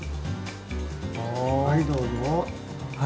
はいどうぞ。